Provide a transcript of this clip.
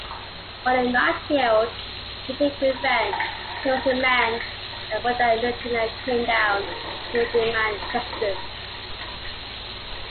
But if not killed, he would take revenge; he was a man and when that lieutenant came down, he would demand justice.